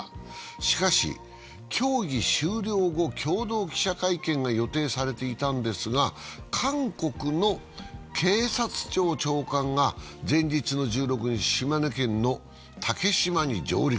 しかし協議終了後、共同記者会見が予定されていたんですが、韓国の警察庁長官が前日の１６日、島根県の竹島に上陸。